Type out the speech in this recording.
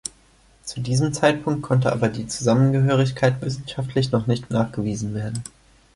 Zu diesem Zeitpunkt konnte aber die Zusammengehörigkeit wissenschaftlich noch nicht nachgewiesen werden.